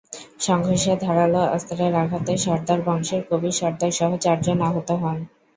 সংঘর্ষে ধারালো অস্ত্রের আঘাতে সর্দার বংশের কবির সর্দারসহ চারজন আহত হন।